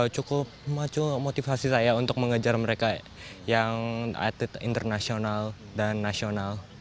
cukup memacu motivasi saya untuk mengejar mereka yang atlet internasional dan nasional